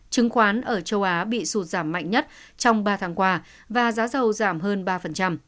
chứng khoán ở châu á bị sụt giảm mạnh nhất trong ba tháng qua và giá giàu giảm hơn ba